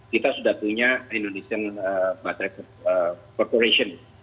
kita sudah punya indonesian baterai corporation